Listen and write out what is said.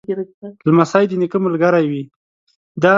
لمسی د نیکه ملګری وي.